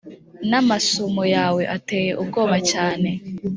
namasumo yawe ateye ubwoba cyane